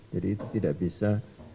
jadi itu tidak bisa